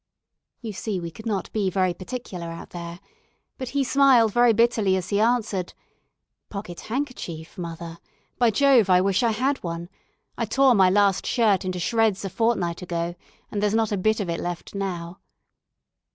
You see we could not be very particular out there; but he smiled very bitterly as he answered, "Pocket handkerchief, mother by Jove! I wish I had one. I tore my last shirt into shreds a fortnight ago, and there's not a bit of it left now."